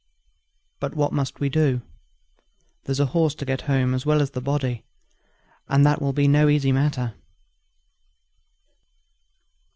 But what must we do? There's the horse to get home as well as the body, and that will be no easy matter."